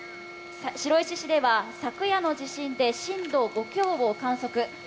白石市では昨夜の地震で震度５強を観測。